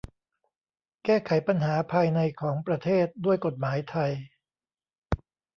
แก้ไขปัญหาภายในของประเทศด้วยกฎหมายไทย